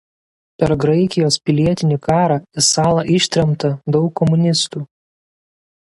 Per Graikijos pilietinį karą į salą ištremta daug komunistų.